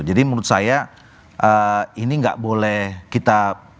jadi menurut saya ini enggak boleh kita